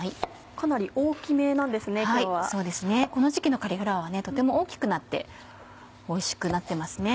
この時期のカリフラワーはとても大きくなっておいしくなってますね。